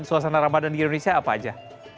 suasana ramadan di indonesia apa aja